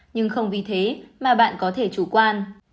nhưng không vì thế mà bạn có thể chủ quan